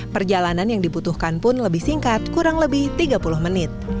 perjalanan yang dibutuhkan pun lebih singkat kurang lebih tiga puluh menit